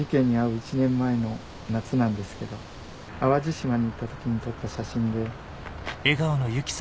１年前の夏なんですけど淡路島に行った時に撮った写真で。